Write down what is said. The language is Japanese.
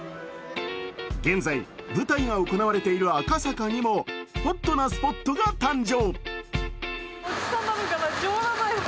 現在、舞台が行われている赤坂にもホットなスポットが誕生。